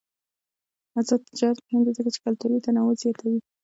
آزاد تجارت مهم دی ځکه چې کلتوري تنوع زیاتوي.